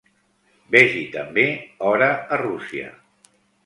Vegi també Hora a Rússia.